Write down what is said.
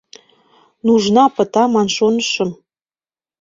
Нужна пыта ман шонышым.